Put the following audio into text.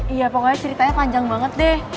iya pokoknya ceritanya panjang banget deh